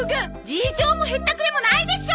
事情もへったくれもないでしょ！